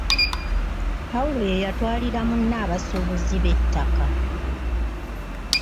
Pawulo ye yatwalira munne abasuubuzi b'ettaka!